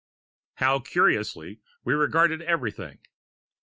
How curiously we regarded everything!